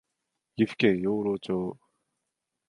岐阜県養老町